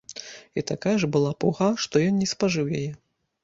І такая ж была пуга, каб ён не спажыў яе!